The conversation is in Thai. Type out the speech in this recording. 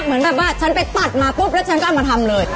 เหมือนแบบว่าฉันไปตัดมาปุ๊บแล้วฉันก็เอามาทำเลย